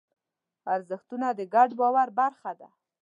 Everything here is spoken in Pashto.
ارزښتونه د ګډ باور برخه ده.